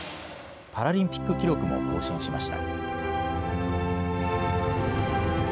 パラリンピック記録も更新しました。